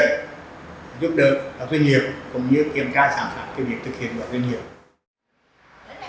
cũng như kiểm tra sản phẩm tiêu biệt thực hiện của doanh nghiệp